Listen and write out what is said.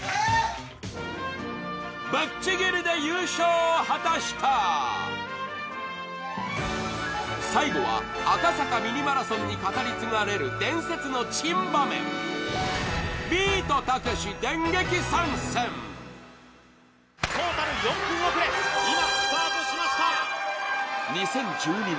ぶっちぎりで優勝を果たした最後は赤坂ミニマラソンに語り継がれる伝説の珍場面トータル４分遅れ今スタートしました